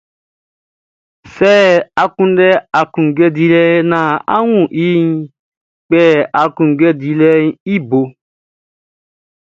Sɛ a kunndɛ aklunjuɛ naan a wunmɛn iʼn, a kpɛ aklunjuɛ dilɛʼn i bo.